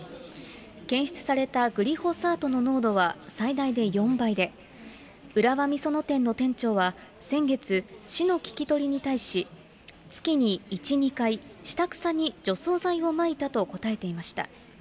検出されたグリホサートの濃度は最大で４倍で、浦和美園店の店長は先月、市の聞き取りに対し、月に１、２回、下草に除草剤をまいたと答えていました。